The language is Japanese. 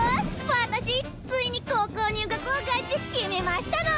私ついに高校入学をガチ決めましたの！